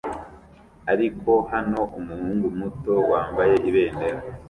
ariko hano umuhungu muto wambaye ibendera